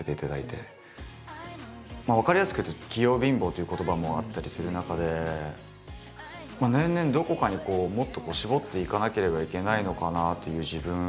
分かりやすく言うと「器用貧乏」という言葉もあったりする中で年々どこかにこうもっと絞っていかなければいけないのかなという自分。